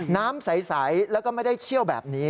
น้ำใสแล้วก็ไม่ได้เชี่ยวแบบนี้